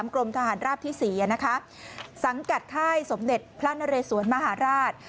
กรมทหารราบที่๔สังกัดค่ายสมเด็จพระนเรสวนมหาราช